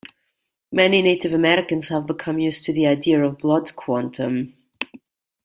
Many Native Americans have become used to the idea of "blood quantum".